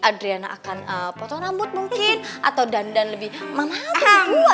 adriana akan potong rambut mungkin atau dandan lebih mamah lebih kuat